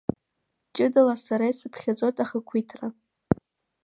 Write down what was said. Ҷыдала сара исыԥхьаӡоит ахақәиҭра…